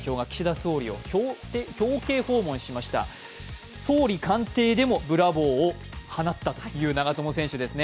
総理官邸でもブラボーを放ったという長友選手ですね。